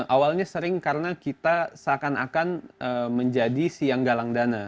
awalnya sering karena kita seakan akan menjadi siang galang dana